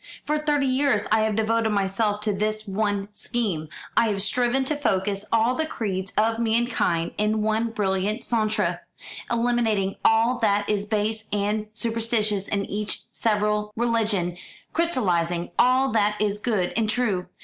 For thirty years I have devoted myself to this one scheme. I have striven to focus all the creeds of mankind in one brilliant centre eliminating all that is base and superstitious in each several religion, crystallising all that is good and true.